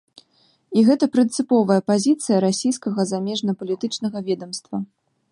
І гэта прынцыповая пазіцыя расійскага замежнапалітычнага ведамства.